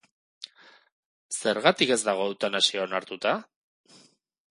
Zergatik ez dago eutanasia onartuta?